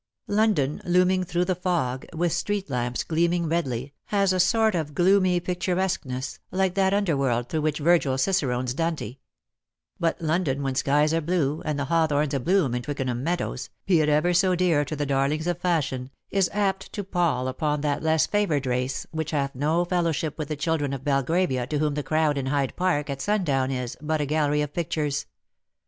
London looming through the fog, with street lamps gleaming redly, has a sort of gloomy picturesqueness, like that under world through which Virgd cicerones Dante ; but London when skies are blue, and the hawthorns abloom in Twickenham meadows, be it ever so dear to the darlings of fashion, is apt to pall upon that less favoured race which hath no fellowship with the children of Belgravia to whom %he crowd in Hyde Park at sundown is " but a gallery of pictures."